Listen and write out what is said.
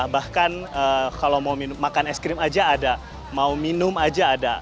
bahkan kalau mau makan es krim aja ada mau minum aja ada